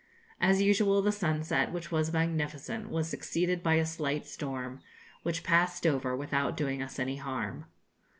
As usual, the sunset, which was magnificent, was succeeded by a slight storm, which passed over without doing us any harm.